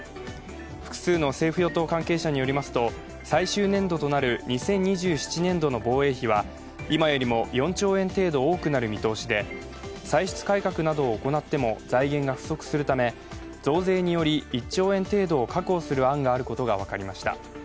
複数の政府・与党関係者によりますと、最終年度となる２０２７年度の防衛費は今よりも４兆円程度多くなる見通しで歳出改革などを行っても財源が不足するため、増税により１兆円程度を確保する案があることが分かりました。